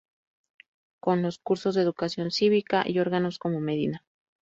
Con los cursos de Educación cívica y órganos como Medina.